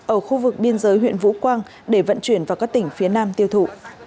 ở khu vực biên giới huyện vũ quang để vận chuyển vào các tỉnh phía nam tiêu thụ